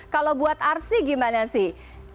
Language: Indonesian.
kalau buat arsi gimana sih